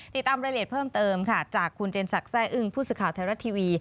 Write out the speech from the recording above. ติดตามรายละเอียดเพิ่มเติมค่ะจากคุณเจนสักแร่อึ้งผู้สื่อข่าวไทยรัฐทีวี